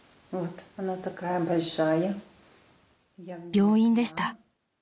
［病院でした］